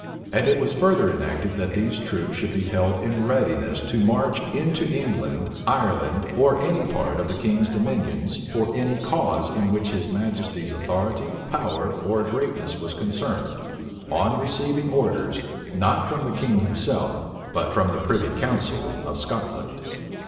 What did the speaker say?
And it was further enacted, that these troops should be held in readiness to march into England, Ireland, or any part of the king's dominions, for any cause in which his majesty's authority, power, or greatness was concerned; on receiving orders, not from the king himself, but from the privy council of Scotland.